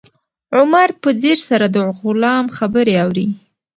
عمر په ځیر سره د غلام خبرې اوري.